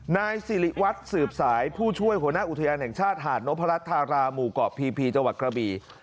นายสิริวัตรสืบสายผู้ช่วยหัวหน้าอุทยานแห่งชาติหาดนพรัชธาราหมู่เกาะพีพีจังหวัดกระบี